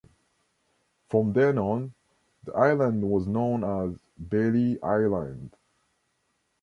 From then on, the island was known as Bailey Island.